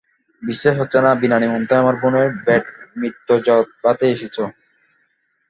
বিশ্বাসই হচ্ছে না বিনা নিমন্ত্রণেই আমার বোনের ব্যাট মিৎজভাতে এসেছো।